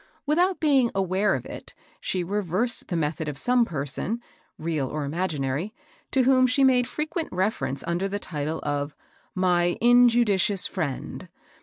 Without being aware of it, she reversed the method of some person, real or imaginary, to whom she made frequent refer ence under the title of " my injudicious friend.